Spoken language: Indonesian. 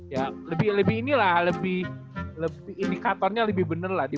ya lebih ini lah lebih indikatornya lebih bener lah